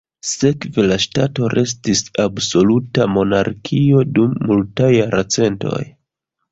Sekve, la ŝtato restis absoluta monarkio dum multaj jarcentoj.